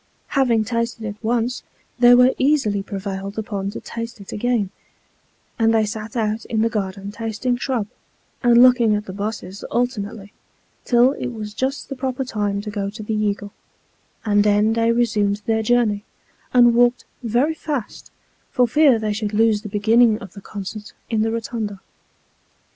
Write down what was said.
Having tasted it once, they were easily prevailed upon to taste it again ; and they sat out in the garden tasting shrub, and looking at the busses alternately, till it was just the proper time to go to the Eagle ; and then they resumed their journey, and walked very fast, for fear they should lose the beginning of the concert in the Kotunda.